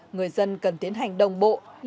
người dân cần tiến hành đồng bộ